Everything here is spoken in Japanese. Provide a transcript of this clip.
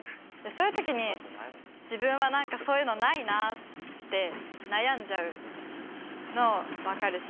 そういう時に自分は何かそういうのないなって悩んじゃうの分かるし。